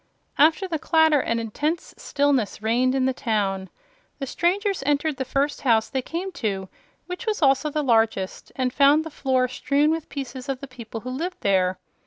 After the clatter an intense stillness reigned in the town. The strangers entered the first house they came to, which was also the largest, and found the floor strewn with pieces of the people who lived there.